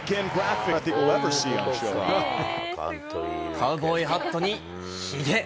カウボーイハットにひげ。